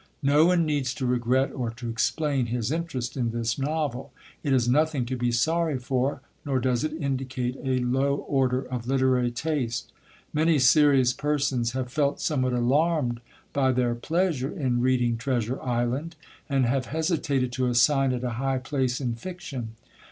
No one needs to regret or to explain his interest in this novel; it is nothing to be sorry for, nor does it indicate a low order of literary taste. Many serious persons have felt somewhat alarmed by their pleasure in reading Treasure Island, and have hesitated to assign it a high place in fiction.